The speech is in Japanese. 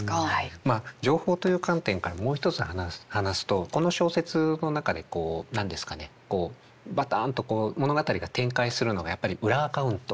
まあ情報という観点からもう一つ話すとこの小説の中で何ですかねバタンと物語が展開するのがやっぱり裏アカウント。